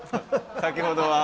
先ほどは。